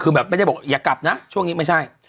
คือแบบไม่ได้บอกอย่ากลับนะช่วงนี้ไม่ใช่